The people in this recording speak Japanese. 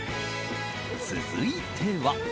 続いては。